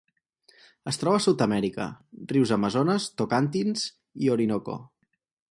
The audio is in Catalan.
Es troba a Sud-amèrica: rius Amazones, Tocantins i Orinoco.